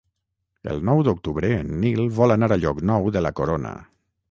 El nou d'octubre en Nil vol anar a Llocnou de la Corona.